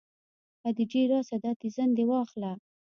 خديجې راسه دا تيزن دې واخله.